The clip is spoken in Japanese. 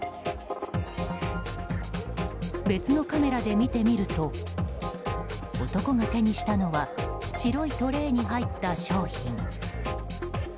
別のカメラで見てみると男が手にしたのは白いトレーに入った商品。